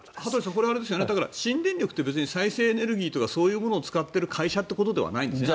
これは新電力って別に再生エネルギーとかそういうものを使っている会社ということじゃないんですね。